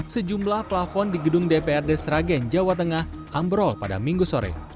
sejumlah plafon di gedung dprd sragen jawa tengah ambrol pada minggu sore